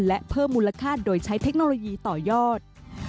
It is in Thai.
และเพิ่มมูลค่าโดยใช้เทคโนโลยีต่อยอด